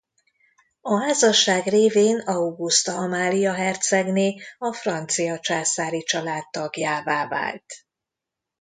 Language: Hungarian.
A házasság révén Auguszta Amália hercegné a francia császári család tagjává vált.